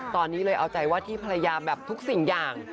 ตอนนี้เลยเอาใจว่าที่ภรรยาแบบทุกสิ่งอย่าง